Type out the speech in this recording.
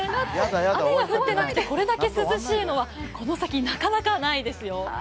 雨が降ってなくてこれだけ涼しいのは、この先なかなかないですよ。